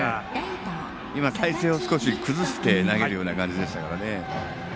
体勢を少し崩して投げるような感じでした。